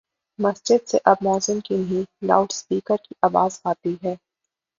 مسجد سے اب موذن کی نہیں، لاؤڈ سپیکر کی آواز آتی ہے۔